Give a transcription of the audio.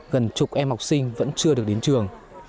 gần chục em học sinh vẫn chưa được đến trường